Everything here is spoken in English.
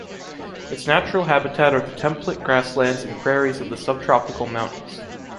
Its natural habitat are the template grasslands and prairies of the subtropical mountains.